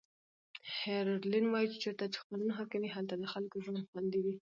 هولډرلین وایي چې چیرته چې قانون حاکم وي هلته د خلکو ژوند خوندي وي.